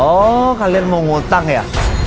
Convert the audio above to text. oh kalian mau ngutang ya